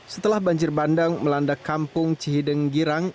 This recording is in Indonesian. setelah banjir bandang melanda kampung cihideng girang